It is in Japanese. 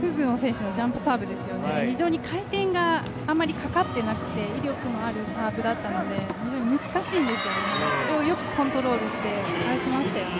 クグノ選手のジャンプサーブ、回転があまりかかっていなくて威力のあるサーブだったので、難しいんですよねよくコントロールして返しましたよね。